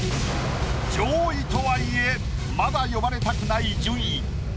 上位とはいえまだ呼ばれたくない順位。